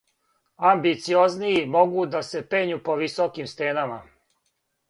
Амбициознији могу да се пењу по високим стенама.